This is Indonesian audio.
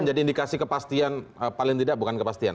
menjadi indikasi kepastian paling tidak bukan kepastian